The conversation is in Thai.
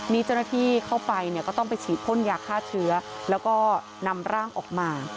มีเจ้าหน้าที่เข้าไปเนี่ยก็ต้องไปฉีดพ่นยาฆ่าเชื้อแล้วก็นำร่างออกมา